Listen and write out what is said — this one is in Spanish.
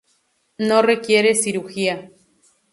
No requiere cirugía.